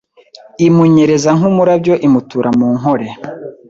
Imunyereza nk'umurabyo Imutura mu Nkole